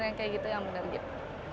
yang kayak gitu yang benar gitu